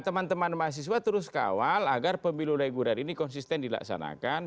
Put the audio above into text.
teman teman mahasiswa terus kawal agar pemilu reguler ini konsisten dilaksanakan